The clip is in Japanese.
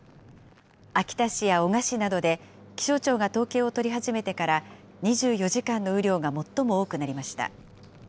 秋田市や男鹿市などで、気象庁が統計を取り始めてから２４時間の雨量が最も多くなりました。